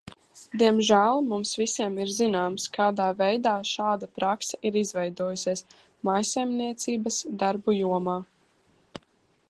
Diemžēl mums visiem ir zināms, kādā veidā šāda prakse ir izveidojusies mājsaimniecības darbu jomā.